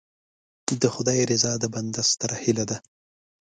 د خدای رضا د بنده ستره هیله ده.